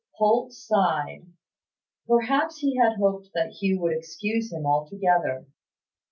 Holt sighed. Perhaps he had hoped that Hugh would excuse him altogether.